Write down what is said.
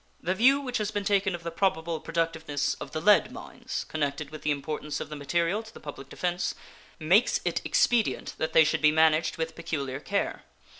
The view which has been taken of the probable productiveness of the lead mines, connected with the importance of the material to the public defense, makes it expedient that they should be managed with peculiar care.